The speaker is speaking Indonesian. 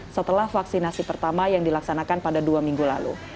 setelah vaksinasi pertama yang dilaksanakan pada dua minggu lalu